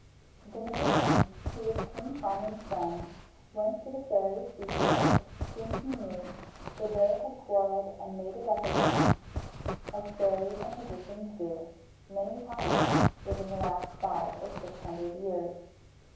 The magician, who was King Charming's friend, went to the fairy Soussio, whom he knew, for they had quarrelled and made it up again, as fairies and magicians do, many times within the last five or six hundred years.